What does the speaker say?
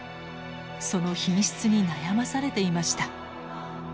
その品質に悩まされていました。